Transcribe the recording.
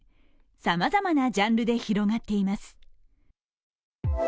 さまざまなジャンルで広がっています。